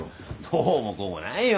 どうもこうもないよ。